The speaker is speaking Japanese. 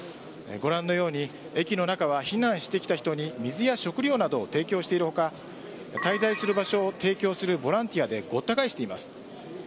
ご覧のように駅の中は避難してきた人に水や食料などを提供している他滞在する場所を提供するボランティアでごった返しています。